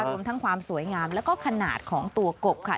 รวมทั้งความสวยงามแล้วก็ขนาดของตัวกบค่ะ